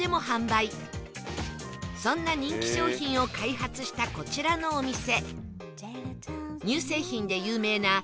そんな人気商品を開発したこちらのお店